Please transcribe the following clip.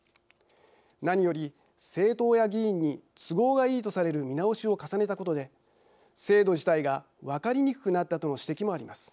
何より政党や議員に都合がいいとされる見直しを重ねたことで制度自体が分かりにくくなったとの指摘もあります。